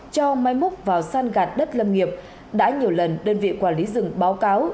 cho máy múc vào san gạt đất lâm nghiệp đã nhiều lần đơn vị quản lý rừng báo cáo